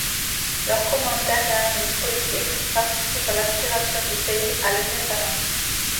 Leurs commentaires et analyses politiques participent à l'aspiration du pays à l'indépendance.